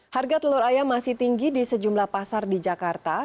harga telur ayam masih tinggi di sejumlah pasar di jakarta